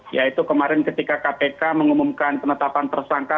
yaitu kemarin ketika kpk mengumumkan penetapan tersangka